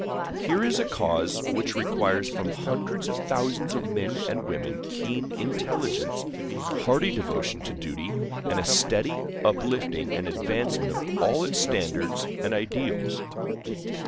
Here is a cause which requires from hundreds of thousands of men and women keen intelligence, hearty devotion to duty, and a steady uplifting and advancement of all its standards and ideals.